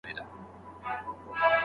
وروسته دواړه نفل لمونځ وکړئ.